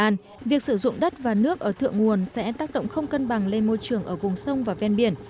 tuy nhiên việc sử dụng đất và nước ở thượng nguồn sẽ tác động không cân bằng lên môi trường ở vùng sông và ven biển